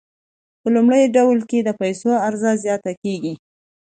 په لومړي ډول کې د پیسو عرضه زیاته کیږي.